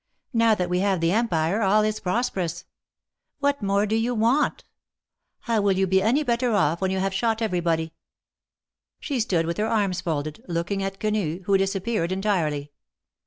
Now that we have the Empire, all is prosperous. What more do you want? How will you be any better off, when you have shot e\'erybody ?" THE MARKETS OF PARIS. 179 She stood with her arms folded, looking at Queuu, who disappeared entirely.